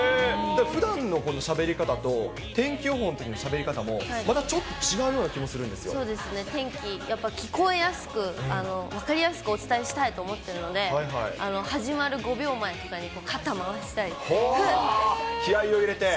ふだんのこのしゃべり方と、天気予報のときのしゃべり方もまたちょっと違うような気もするんそうですね、天気、やっぱ聞こえやすく、分かりやすくお伝えしたいと思っているので、始まる５秒前とかに、気合いを入れて。